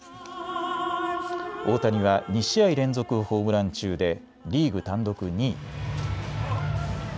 大谷は２試合連続ホームラン中でリーグ単独２位。